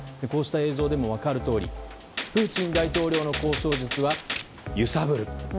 こうした映像でも分かるとおりプーチン大統領の交渉術は揺さぶる。